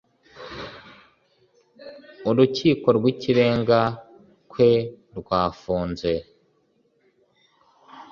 Urukiko rw Ikirenga kwerwafunze